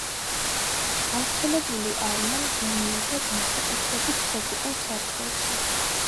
გავრცელებული არიან ზომიერ და განსაკუთრებით ტროპიკულ სარტყელში.